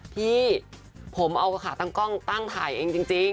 พี่ผมเอาขาตั้งกล้องตั้งถ่ายเองจริง